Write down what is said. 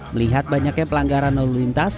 melihat banyaknya pelanggaran lalu lintas